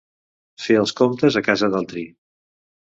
Fer els comptes a casa d'altri.